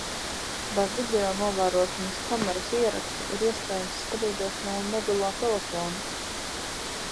Vai videonovērošanas kameras ierakstu ir iespējams skatīties no mobilā telefona?